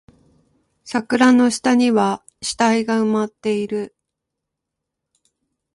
桜の下には死体が埋まっている